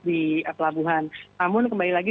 di pelabuhan namun kembali lagi